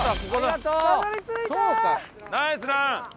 ナイスラン！